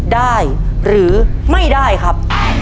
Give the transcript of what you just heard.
ได้หรือไม่ได้ครับ